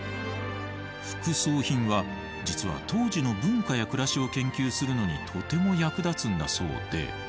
副葬品は実は当時の文化や暮らしを研究するのにとても役立つんだそうで。